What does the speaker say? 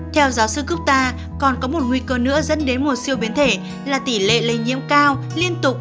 theo giáo sư coukta còn có một nguy cơ nữa dẫn đến một siêu biến thể là tỷ lệ lây nhiễm cao liên tục